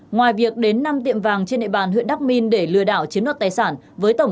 ngoài việc đến năm tiệm vàng trên địa bàn huyện đắk minh để lừa đảo chiếm đoạt tài sản